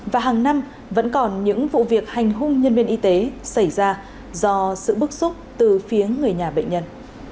và hàng năm vẫn còn những vụ việc hành hung nhân viên y tế xảy ra do sự bức xúc từ phía người nhà bệnh nhân